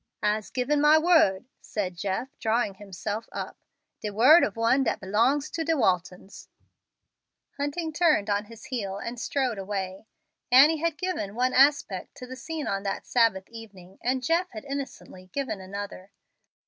"I'se given my word," said Jeff, drawing himself up, "de word ob one dat belongs to de Waltons." Hunting turned on his heel and strode away. Annie had given one aspect to the scene on that Sabbath evening, and Jeff had innocently given another.